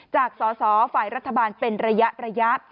จากสอสอฝ่ายรัฐบาลเป็นระยะ